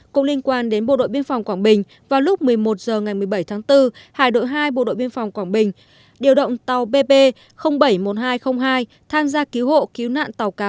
cũng liên quan đến bộ đội biên phòng quảng bình vào lúc một mươi một h ngày một mươi bảy tháng bốn hải đội hai bộ đội biên phòng quảng bình điều động tàu bb bảy mươi một nghìn hai trăm linh hai tham gia cứu hộ cứu nạn tàu cá